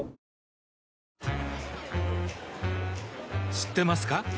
知ってますか？